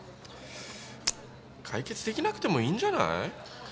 解決出来なくてもいいんじゃない？